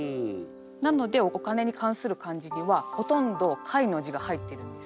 なのでお金に関する漢字にはほとんど「貝」の字が入ってるんです。